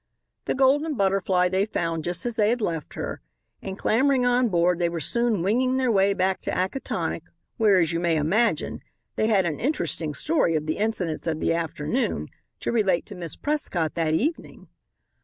The Golden Butterfly they found just as they had left her, and clambering on board they were soon winging their way back to Acatonick where, as you may imagine, they had an interesting story of the incidents of the afternoon to relate to Miss Prescott that evening.